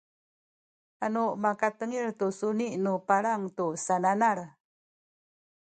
anu makatengil tu suni nu palang tu sananal